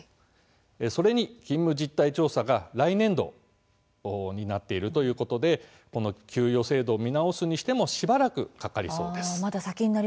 それに勤務実態調査が来年度になっているということで給与制度を見直すにしてもしばらくかかりそうです。